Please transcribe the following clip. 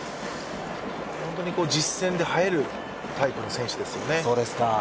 本当に実戦で映えるタイプの選手ですよね。